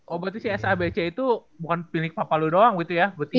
oh berarti si sabc itu bukan pilih papa lo doang gitu ya bertiga